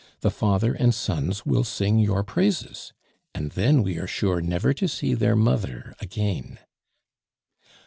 The father and sons will sing your praises, and then we are sure never to see their mother again."